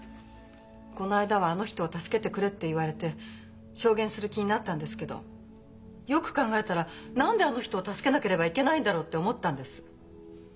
この間は「あの人を助けてくれ」って言われて証言する気になったんですけどよく考えたら何であの人を助けなければいけないんだろうって思ったんです。